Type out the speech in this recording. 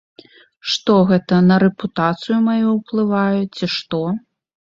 Што гэта на рэпутацыю маю ўплывае ці што?!